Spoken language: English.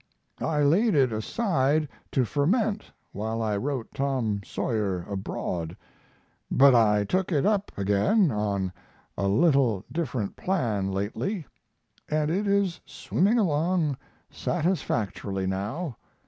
I laid it aside to ferment while I wrote Tom Sawyer Abroad, but I took it up again on a little different plan lately, and it is swimming along satisfactorily now.